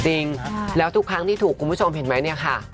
จริงแล้วทุกครั้งที่ถูกคุณผู้ชมเห็นไหมเนี่ยค่ะ